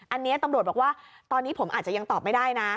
อันนี้ตำรวจบอกว่าตอนนี้ผมอาจจะยังตอบไม่ได้นะ